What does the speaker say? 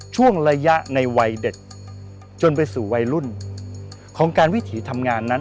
ช่วงระยะในวัยเด็กจนไปสู่วัยรุ่นของการวิถีทำงานนั้น